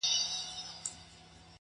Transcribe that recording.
• ددې ښايستې نړۍ بدرنگه خلگ.